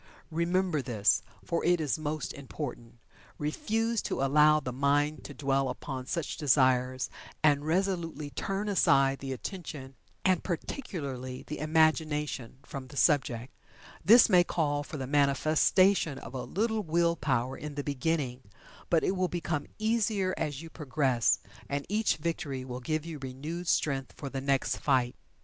Remember this, for it is most important. Refuse to allow the mind to dwell upon such desires, and resolutely turn aside the attention, and, particularly, the imagination, from the subject. This may call for the manifestation of a little will power in the beginning, but it will become easier as you progress, and each victory will give you renewed strength for the next fight.